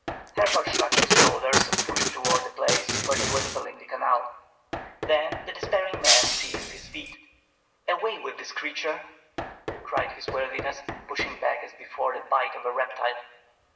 Herhor shrugged his shoulders and pushed toward the place where they were filling the canal. Then the despairing man seized his feet. "Away with this creature!" cried his worthiness, pushing back as before the bite of a reptile.